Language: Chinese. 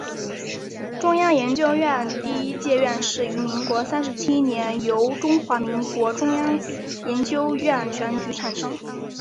中央研究院第一届院士于民国三十七年由中华民国中央研究院选举产生。